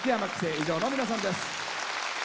以上の皆さんです。